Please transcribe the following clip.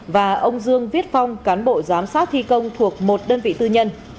và ông dương viết phong cán bộ giám sát thi công thuộc một đơn vị tư nhân